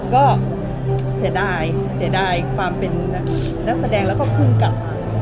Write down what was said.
ก็เสียด้ายความเป็นนักแสดงและพู่งกับ